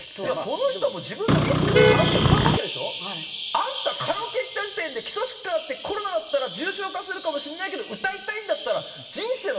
その人はもう自分のリスクでカラオケ歌うわけでしょ？あんたカラオケ行った時点で基礎疾患あってコロナになったら重症化するかもしれないけど歌いたいんだったら人生の選択じゃないですか！